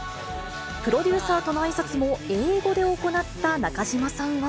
プロデューサーとのあいさつも、英語で行った中島さんは。